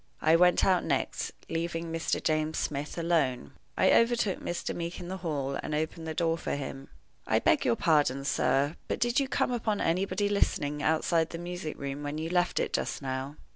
I went out next, leaving Mr. James Smith alone. I overtook Mr. Meeke in the hall, and opened the door for him. "I beg your pardon, sir," I said, "but did you come upon anybody listening outside the music room when you left it just now?"